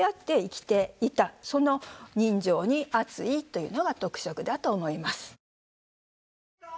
その人情に厚いというのが特色だと思います。